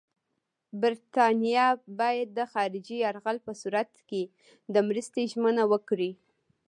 برټانیه باید د خارجي یرغل په صورت کې د مرستې ژمنه وکړي.